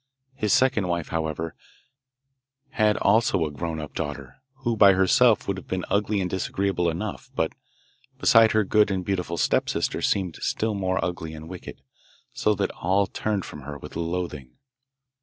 His second wife, however, had also a grown up daughter, who by herself would have been ugly and disagreeable enough, but beside her good and beautiful stepsister seemed still more ugly and wicked, so that all turned from her with loathing.